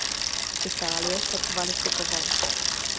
Itálie se kvalifikovala.